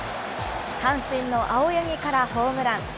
阪神の青柳からホームラン。